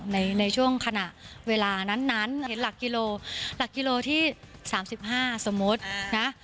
ในช่วงขณะเวลานั้นเห็นหลักกิโลหลักกิโลที่๓๕สมมุตินะ